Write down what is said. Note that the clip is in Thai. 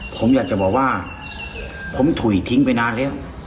ผมอยากจะบอกว่าผมถุยทิ้งไปนานแล้ว